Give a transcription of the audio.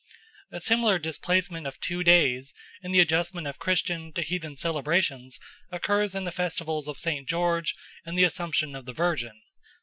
A similar displacement of two days in the adjustment of Christian to heathen celebrations occurs in the festivals of St. George and the Assumption of the Virgin.